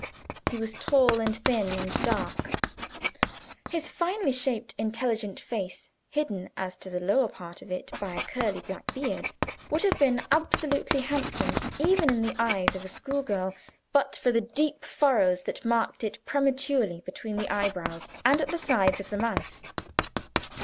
He was tall and thin and dark. His finely shaped intelligent face hidden, as to the lower part of it, by a curly black beard would have been absolutely handsome, even in the eyes of a schoolgirl, but for the deep furrows that marked it prematurely between the eyebrows, and at the sides of the mouth.